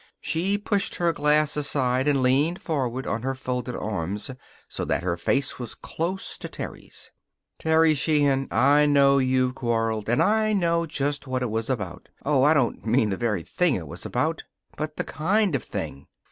She pushed her glass aside and leaned forward on her folded arms, so that her face was close to Terry's. "Terry Sheehan, I know you've quarreled, and I know just what it was about. Oh, I don't mean the very thing it was about; but the kind of thing.